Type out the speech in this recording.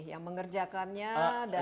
yang mengerjakannya dan